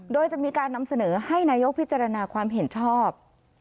โดยจะมีการนำเสนอให้นายกพิจารณาความเห็นชอบ